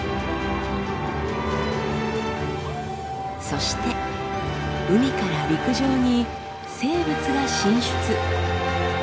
そして海から陸上に生物が進出。